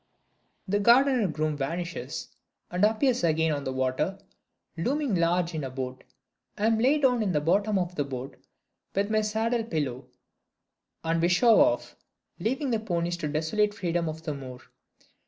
The gardener groom vanishes, and appears again on the water, looming large in a boat. I am laid down in the bottom of the boat, with my saddle pillow; and we shove off, leaving the ponies to the desolate freedom of the moor.